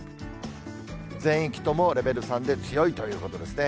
全域ともレベル３で強いということですね。